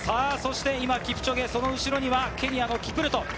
今、キプチョゲ、その後ろにはケニアのキプルト。